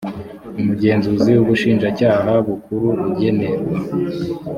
umugenzuzi w ubushinjacyaha bukuru agenerwa